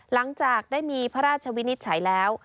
หลังจากได้มีพระราชวินิจฉัยแล้ว